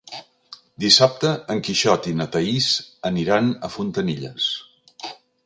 Dissabte en Quixot i na Thaís aniran a Fontanilles.